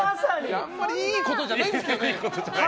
あまりいいことじゃないですけどね。